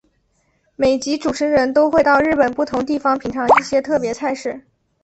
每集主持人都会到日本不同地方品尝一些特别菜式。